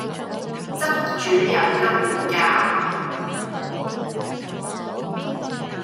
汁煮油甘魚鮫